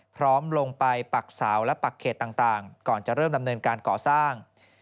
พร้อมลงไปปักสาวและปักเขตต่างก่อนจะเริ่มดำเนินการก่อสร้าง